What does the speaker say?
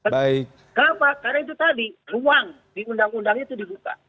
kenapa karena itu tadi ruang di undang undang itu dibuka